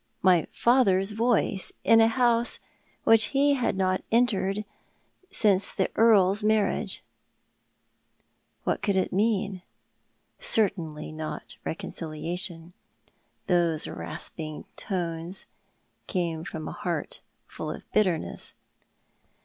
My fiither's voice in a house which he had not entered since the Earl's marriage ! What could it mean ? Certainly not reconciliation. Those rasping tones came from a heart full of bitterness.